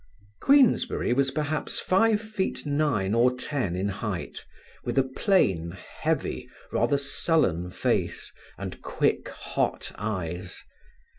Queensberry was perhaps five feet nine or ten in height, with a plain, heavy, rather sullen face, and quick, hot eyes.